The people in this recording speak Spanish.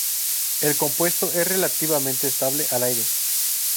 El compuesto es relativamente estable al aire.